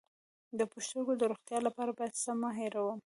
د پښتورګو د روغتیا لپاره باید څه مه هیروم؟